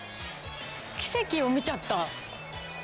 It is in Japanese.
奇跡を見ちゃった。